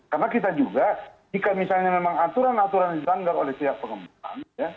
karena kita juga jika misalnya memang aturan aturan dilanggar oleh pihak pengembang